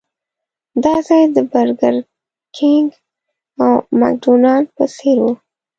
دا ځای د برګر کېنګ او مکډانلډ په څېر و.